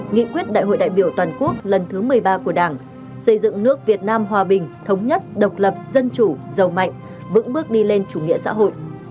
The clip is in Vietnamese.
nghị quyết đại hội đại biểu toàn quốc lần thứ một mươi ba của đảng xây dựng nước việt nam hòa bình thống nhất độc lập dân chủ giàu mạnh vững bước đi lên chủ nghĩa xã hội